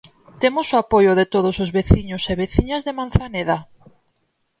Temos o apoio de todos os veciños e veciñas de Manzaneda.